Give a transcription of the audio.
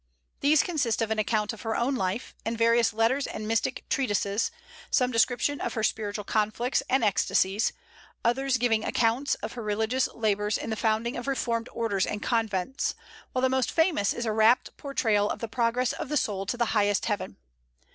These consist of an account of her own life, and various letters and mystic treatises, some description of her spiritual conflicts and ecstasies, others giving accounts of her religious labors in the founding of reformed orders and convents; while the most famous is a rapt portrayal of the progress of the soul to the highest heaven.